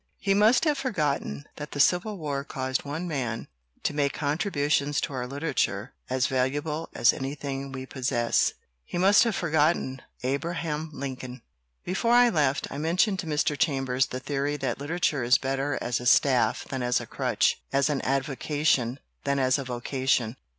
"He must have forgotten that the Civil War caused one man to make contributions to our literature as valuable as anything we possess. He must have forgotten Abraham Lincoln." Before I left, I mentioned to Mr. Chambers the 84 WHAT IS GENIUS? theory that literature is better as a staff than as a crutch, as an avocation than as a vocation.